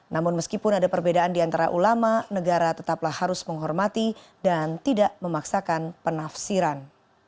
namun meskipun ada perbedaan di antara ulama negara tetaplah harus menghormati dan tidak memaksakan penafsiran